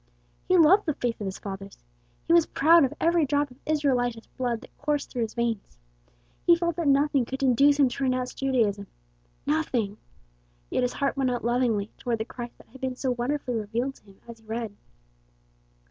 He loved the faith of his fathers. He was proud of every drop of Israelitish blood that coursed through his veins. He felt that nothing could induce him to renounce Judaism nothing! Yet his heart went out lovingly toward the Christ that had been so wonderfully revealed to him as he read.